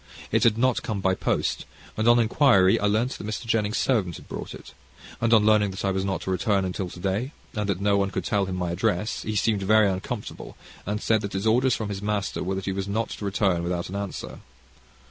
It had not come by post, and, on inquiry, I learned that Mr. Jennings' servant had brought it, and on learning that I was not to return until to day, and that no one could tell him my address, he seemed very uncomfortable, and said his orders from his master were that that he was not to return without an answer.